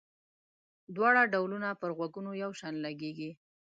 دواړه ډولونه پر غوږونو یو شان لګيږي.